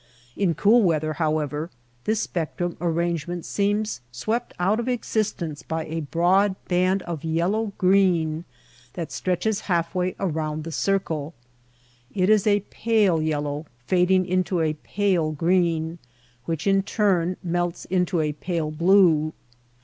In cool weather, however, this spectrum arrange ment seems swept out of existence by a broad band of yellow green that stretches half way around the circle. It is a pale yellow fading into a pale green, which in turn melts into a pale blue.